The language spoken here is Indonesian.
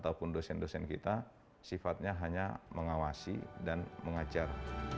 ataupun dosen dosen kita sifatnya hanya mengawasi dan mengajar